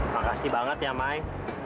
makasih banget ya mai